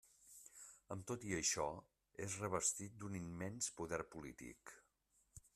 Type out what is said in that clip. Amb tot i això, és revestit d'un immens poder polític.